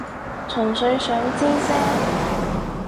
純粹想知啫